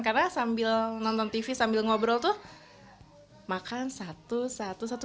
karena sambil nonton tv sambil ngobrol tuh makan satu satu satu